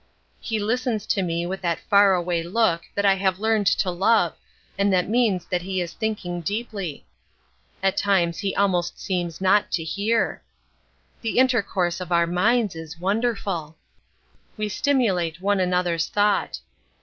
He listens to me with that far away look that I have learned to love and that means that he is thinking deeply; at times he almost seems not to hear. The intercourse of our minds is wonderful. We stimulate one another's thought.